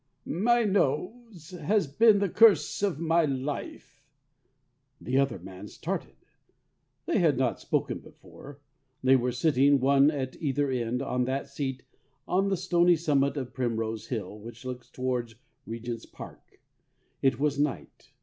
"My nose has been the curse of my life." The other man started. They had not spoken before. They were sitting, one at either end, on that seat on the stony summit of Primrose Hill which looks towards Regent's Park. It was night.